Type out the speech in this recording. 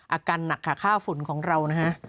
อาการหนักค่ะค่าฝุ่นของเรานะฮะ